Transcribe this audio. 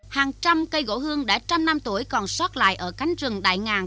hàng trăm cây gỗ hương đã trăm năm tuổi còn sót lại ở cánh rừng đại ngàn